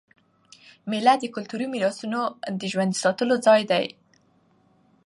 مېله د کلتوري میراثونو د ژوندي ساتلو ځای دئ.